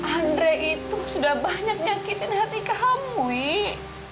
andrei itu sudah banyak menyakiti hati kamu wik